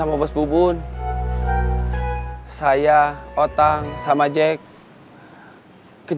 a tabet di tempat ut madre